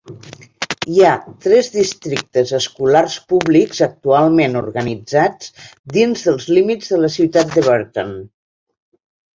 Hi ha tres districtes escolars públics actualment organitzats dins dels límits de la ciutat de Burton.